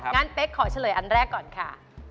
งั้นเป๊กขอเฉลยอันแรกก่อนค่ะ